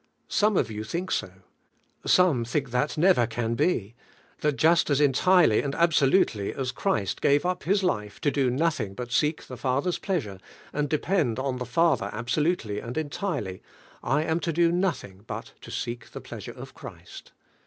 Some of you think so. Borne think that never can be; that just as entirely and absolutely as Christ gave up His life to do nothing but seek the Father's pleasure, and depend on the Father absolutely and entirely, I am to do nothing hut to seek Ihe pleasure of Christ.